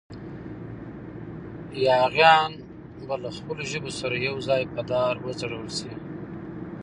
یاغیان به له خپلو ژبو سره یو ځای په دار ځړول کېدل.